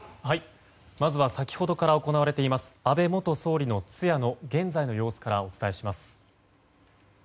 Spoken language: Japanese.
まずは先ほどから行われている安倍元総理の通夜の現在の様子からお伝えします。